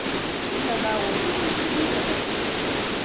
Tim ya Naawuni mini O tumo yεlimaŋli.